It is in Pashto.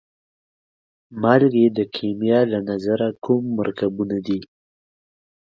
مالګې د کیمیا له نظره کوم مرکبونه دي؟